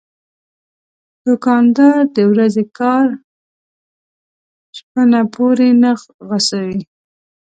دوکاندار د ورځې کار شپه نه پورې نه غځوي.